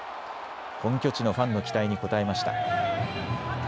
本拠地のファンの期待に応えました。